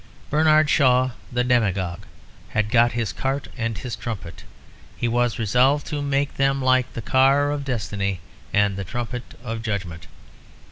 Bernard Shaw the demagogue had got his cart and his trumpet; and was resolved to make them like the car of destiny and the trumpet of judgment.